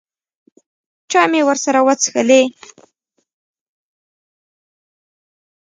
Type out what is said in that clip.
چای مې ورسره وڅښلې.